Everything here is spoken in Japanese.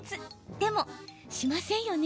でも、しませんよね？